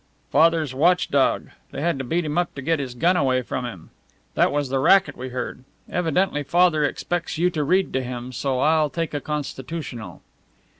"Father's watchdog. They had to beat him up to get his gun away from him. That was the racket we heard. Evidently Father expects you to read to him, so I'll take a constitutional."